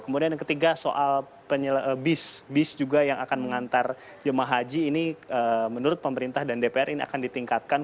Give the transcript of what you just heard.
kemudian yang ketiga soal bis bis juga yang akan mengantar jemaah haji ini menurut pemerintah dan dpr ini akan ditingkatkan